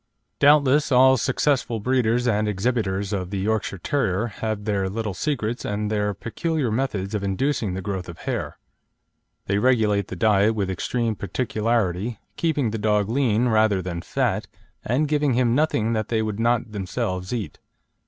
Doubtless all successful breeders and exhibitors of the Yorkshire Terrier have their little secrets and their peculiar methods of inducing the growth of hair. They regulate the diet with extreme particularity, keeping the dog lean rather than fat, and giving him nothing that they would not themselves eat.